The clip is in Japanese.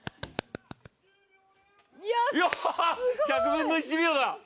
１００分の１秒だ！